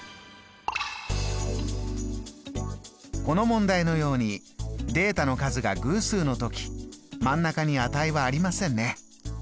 この問題のようにデータの数が偶数の時真ん中に値はありませんね。